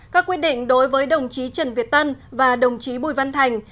các quyết định đối với đồng chí trần việt tân và đồng chí bùi văn thành